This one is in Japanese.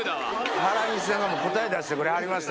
原西さんが答え出してくれはりました。